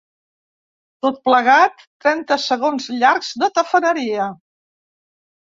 Tot plegat, trenta segons llargs de tafaneria.